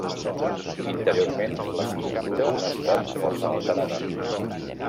Interiorment l'estructura ha estat força alterada.